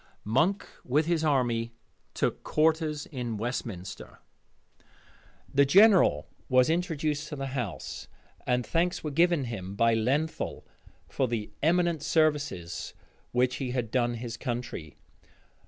Monk with his army took quarters in Westminster. The general was introduced to the House; and thanks were given him by Lenthal, for the eminent services which he had done his country.